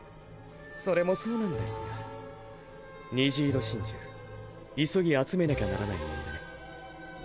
それもそうなんですが虹色真珠急ぎ集めなきゃならないもんでね。